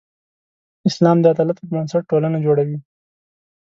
اسلام د عدالت پر بنسټ ټولنه جوړوي.